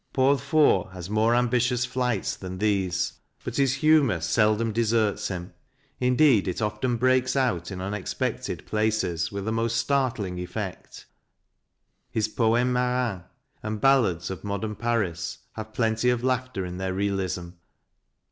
Paul Fort has more ambitious flights than these, but his humour seldom deserts him ; indeed, it often breaks out in unexpected places with a most startling effect. His " Poemes Marins " and ballads of modern Paris have plenty of laughter in their realism.